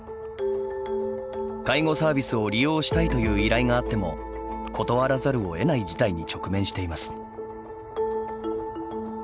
介護サービスを利用したいという依頼があっても断らざるをえない事態に直面しています。